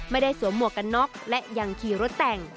สวมหมวกกันน็อกและยังขี่รถแต่ง